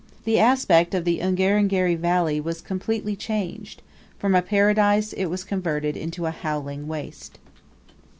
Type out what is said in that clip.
The aspect of the Ungerengeri valley was completely changed from a Paradise it was converted into a howling waste.